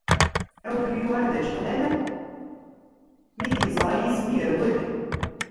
Awtul yuɣal d ačeqlal, mi t-yeẓra yizem, yerwel.